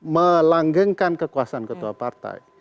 melanggengkan kekuasaan ketua partai